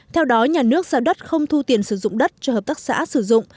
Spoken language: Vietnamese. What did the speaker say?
theo đó nhà nước giao đất không thu tiền sử dụng đất cho hợp tác xã sử dụng